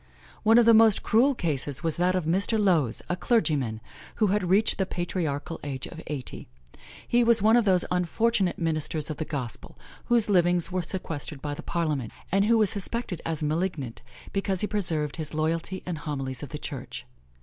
One of the most cruel cases was that of Mr. Lowes, a clergyman, who had reached the patriarchal age of eighty. He was one of those unfortunate ministers of the Gospel whose livings were sequestered by the parliament, and who was suspected as malignant because he preserved his loyalty and the homilies of the Church.